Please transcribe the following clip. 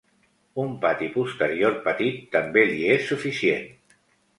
Un pati posterior petit també li és suficient.